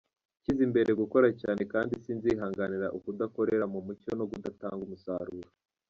Nshyize imbere gukora cyane kandi sinzihanganira ukudakorera mu mucyo no kudatanga umusaruro.